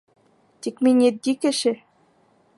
Тик мин етди кеше.